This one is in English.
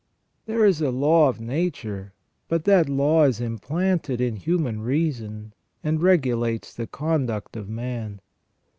There is a law of nature, but that law is implanted in human reason, and regulates the conduct of man.